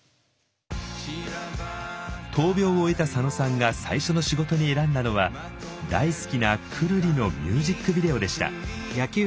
闘病を終えた佐野さんが最初の仕事に選んだのは大好きなくるりのミュージックビデオでした。